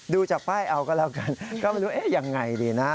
ดูจากป้ายเอาก็แล้วกันก็ไม่รู้เอ๊ะยังไงดีนะ